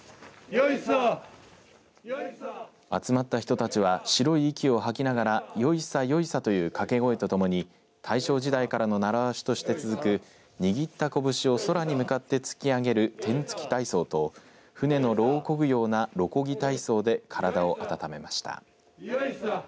集まった人たちは白い息を吐きながらよいさ、よいさという掛け声とともに大正時代の習わしとして続く握った拳を空に向かって突き上げる天突き体操と舟のろをこぐようなろこぎ体操で体を温めました。